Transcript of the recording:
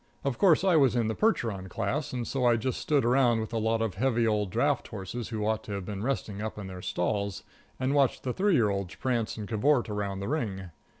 Of course, I was in the Percheron class, and so I just stood around with a lot of heavy old draft horses, who ought to have been resting up in their stalls, and watched the three year olds prance and cavort round the ring.